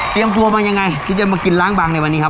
ตัวมายังไงที่จะมากินล้างบางในวันนี้ครับ